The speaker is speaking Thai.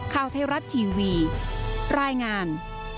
ข่าวไทยรัฐทีวีรายงาน